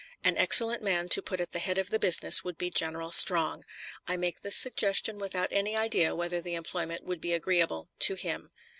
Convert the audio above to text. An excellent man to put at the head of the business would be General Strong. I make this suggestion without any idea whether the employment would be agreeable to him.